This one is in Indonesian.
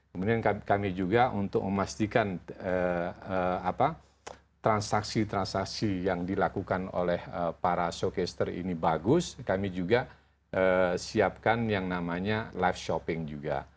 kemudian kami juga untuk memastikan transaksi transaksi yang dilakukan oleh para showcaster ini bagus kami juga siapkan yang namanya live shopping juga